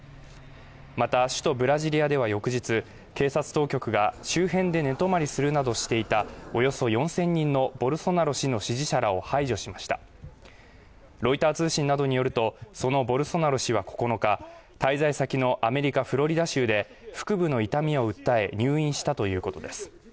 また首都ブラジリアでは翌日警察当局が周辺で寝泊まりするなどしていたおよそ４０００人のボルソナロ氏の支持者らを排除しましたロイター通信などによるとそのボルソナロ氏は９日滞在先のアメリカフロリダ州で腹部の痛みを訴え入院したということです